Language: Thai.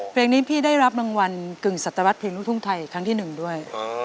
เพลงนี้พี่ได้รับรางวัลกึ่งสัตวรรษเพลงลูกทุ่งไทยครั้งที่๑ด้วย